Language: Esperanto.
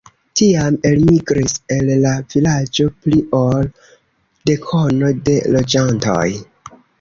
Tiam elmigris el la vilaĝo pli ol dekono de loĝantoj.